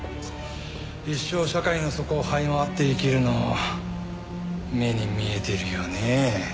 一生社会の底を這い回って生きるの目に見えてるよねえ。